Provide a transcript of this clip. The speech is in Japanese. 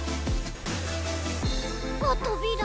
あっとびら。